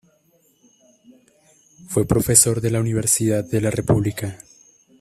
Fue profesor en la Universidad de la República.